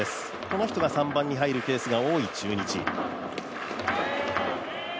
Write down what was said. この人が３番に入るケースが多い中日。